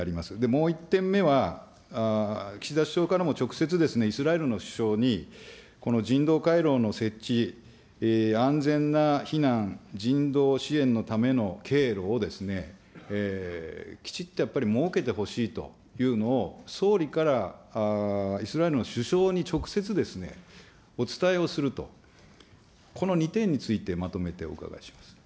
もう１点目は、岸田首相からも直接、イスラエルの首相に、人道回廊の設置、安全な避難、人道支援のための経路を、きちっとやっぱり設けてほしいというのを、総理からイスラエルの首相に直接、お伝えをすると、この２点についてまとめてお伺いします。